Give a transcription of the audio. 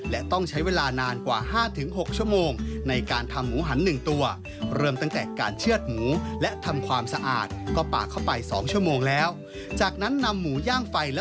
และต้องใช้เวลานานกว่า๕๖ชั่วโมง